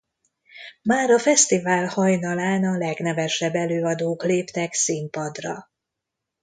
Már a fesztivál hajnalán a legnevesebb előadók léptek színpadra.